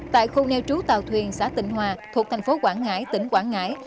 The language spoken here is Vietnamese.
tại khu neo trú tàu thuyền xã tịnh hòa thuộc thành phố quảng ngãi tỉnh quảng ngãi